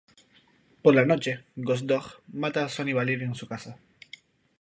Por la noche, Ghost Dog mata a Sonny Valerio en su casa.